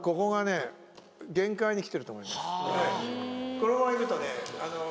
このままいくとね